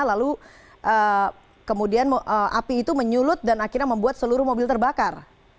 lalu kemudian api itu menyulut dan akhirnya membuat seluruh mobil terbakar